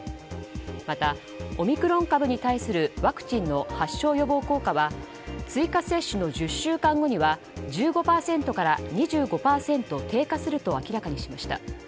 また、オミクロン株に対するワクチンの発症予防効果は追加接種の１０週間後には１５％から２５％低下すると明らかにしました。